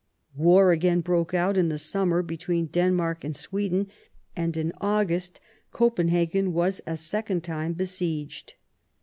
War again broke out in the summer between Denmark and Sweden, and in August Copenhagen was a second time besieged.